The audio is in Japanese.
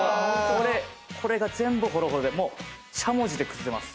これが全部ホロホロでもうしゃもじで崩せます。